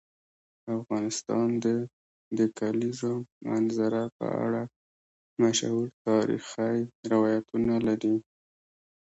افغانستان د د کلیزو منظره په اړه مشهور تاریخی روایتونه لري.